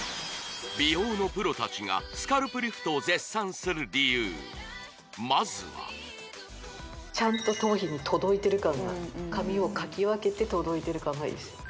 美容のプロ達がスカルプリフトを絶賛する理由まずはちゃんと頭皮に届いてる感が髪をかき分けて届いてる感がいいですよ